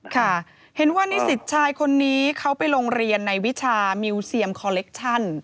ค่ะเห็นว่านิสิตชายคนนี้เขาไปโรงเรียนในวิชามิวเซียมคอเล็กชั่น